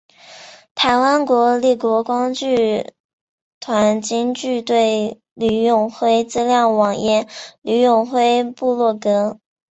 台湾国立国光剧团京剧队吕永辉资料网页吕永辉部落格